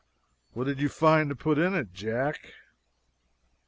"What do you find to put in it, Jack?"